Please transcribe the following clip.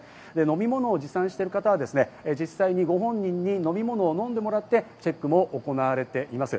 飲み物を持参している方は実際にご本人に飲み物を飲んでもらってチェックも行われています。